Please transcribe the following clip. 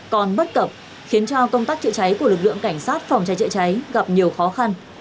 còn bất cập khiến cho công tác chữa cháy của lực lượng cảnh sát phòng cháy chữa cháy gặp nhiều khó khăn